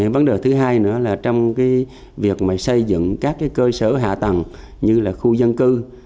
vấn đề thứ hai nữa là trong việc xây dựng các cơ sở hạ tầng như là khu dân cư